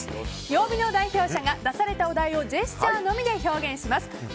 曜日の代表者が出されたお題をジェスチャーのみで表現します。